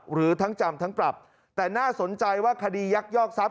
หรือทั้งจำทั้งปรับแต่น่าสนใจว่าคดียักยอกทรัพย